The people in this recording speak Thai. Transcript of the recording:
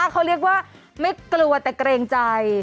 เขาเรียกว่าไม่กลัวแต่เกรงใจ